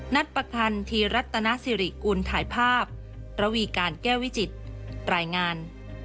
นัดประคันธีรัตนสิริกุลถ่ายภาพระวีการแก้ววิจิตรายงาน